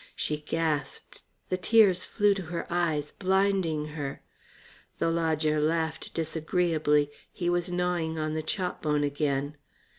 She gasped, the tears flew to her eyes, blinding her. The lodger laughed disagreeably, he was gnawing on the chop bone again.